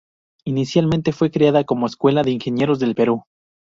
Inicialmente fue creada como Escuela de Ingenieros del Perú.